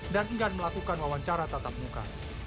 dan enggan melakukan wawancara tatap muka